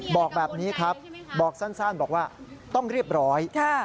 บอกแบบนี้ครับบอกสั้นบอกว่าต้องเรียบร้อย